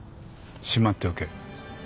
しまっておけ。